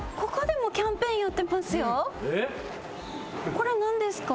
これ何ですか？